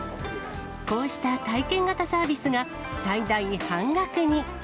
こうした体験型サービスが、最大半額に。